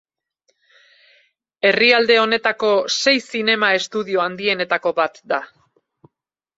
Herrialde honetako sei zinema estudio handienetako bat da.